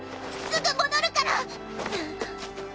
すぐ戻るから！